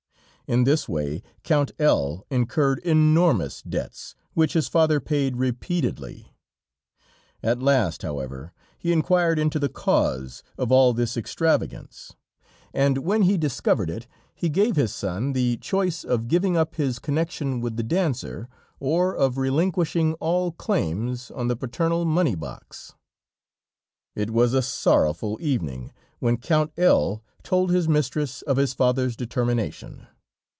In this way, Count L incurred enormous debts, which his father paid repeatedly; at last, however, he inquired into the cause of all this extravagance, and when he discovered it, he gave his son the choice of giving up his connection with the dancer, or of relinquishing all claims on the paternal money box. It was a sorrowful evening, when Count L told his mistress of his father's determination.